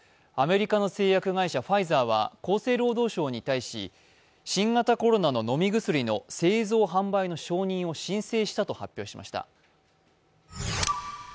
アメリカの製薬会社ファイザーは厚生労働省に対し、新型コロナの飲み薬の製造販売の承認を申請したと話しました。